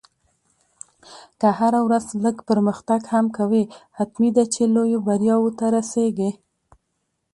که هره ورځ لږ پرمختګ هم کوې، حتمي ده چې لویو بریاوو ته رسېږې.